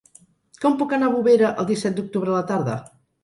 Com puc anar a Bovera el disset d'octubre a la tarda?